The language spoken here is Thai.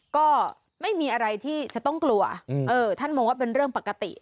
ก็ไม่มีอะไรที่จะต้องกลัวท่านมองว่าเป็นเรื่องปกติ